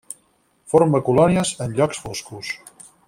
Forma colònies en llocs foscos.